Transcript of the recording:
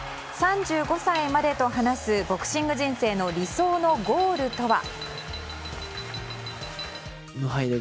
３５歳までと話すボクシング人生の理想のゴールとは。